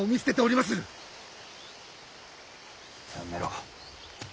やめろ。